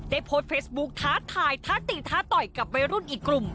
โพสต์เฟซบุ๊คท้าทายท้าตีท้าต่อยกับวัยรุ่นอีกกลุ่ม